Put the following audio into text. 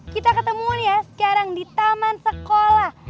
kita ketemuan ya sekarang di taman sekolah